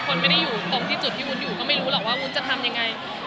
คนไม่ได้อยู่ตรงที่จุดที่วุ้นอยู่ก็ไม่รู้หรอกว่าวุ้นจะทำยังไง